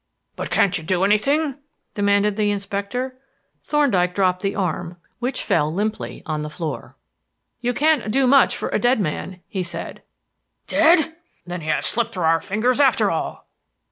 "But can't you do anything?" demanded the inspector. Thorndyke dropped the arm, which fell limply to the floor. "You can't do much for a dead man," he said. "Dead! Then he has slipped through our fingers after all!"